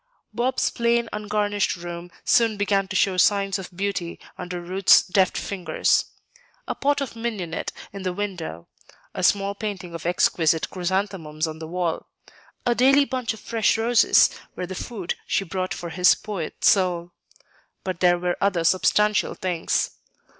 Bob's plain, ungarnished room soon began to show signs of beauty under Ruth's deft fingers. A pot of mignonette in the window, a small painting of exquisite chrysanthemums on the wall, a daily bunch of fresh roses, were the food she brought for his poet soul. But there were other substantial things.